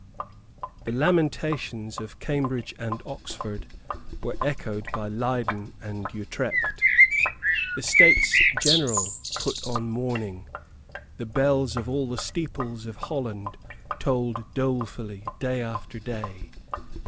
The lamentations of Cambridge and Oxford were echoed by Leyden and Utrecht. The States General put on mourning. The bells of all the steeples of Holland tolled dolefully day after day.